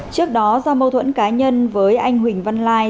trước đó do mâu thuẫn cá nhân với anh huỳnh văn lai